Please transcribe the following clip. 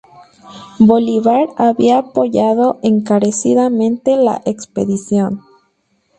Bolívar había apoyado encarecidamente la expedición.